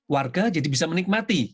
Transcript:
warga jadi bisa menikmati